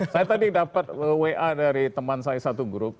saya tadi dapat wa dari teman saya satu grup